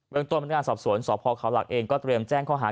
เบื้องตัวบรรยากาศสอบสวนสพขาวหลักเองก็เตรียมแจ้งข้อหา